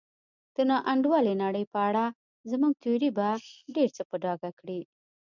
د نا انډولې نړۍ په اړه زموږ تیوري به ډېر څه په ډاګه کړي.